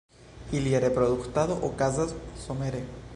Ilia reproduktado okazas somere.